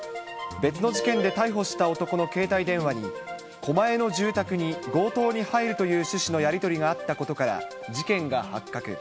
別の事件で逮捕した男の携帯電話に、狛江の住宅に強盗に入るという趣旨のやり取りがあったことから事件が発覚。